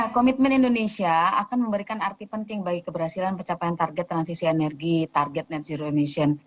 komitmen indonesia akan memberikan arti penting bagi keberhasilan pencapaian target transisi energi target net zero emission